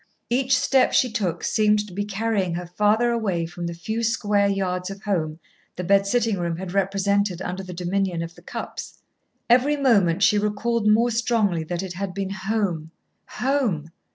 Each step she took seemed to be carrying her farther away from the few square yards of home the bed sitting room had represented under the dominion of the Cupps. Every moment she recalled more strongly that it had been home home.